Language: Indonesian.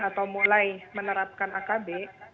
atau mulai menerapkan akb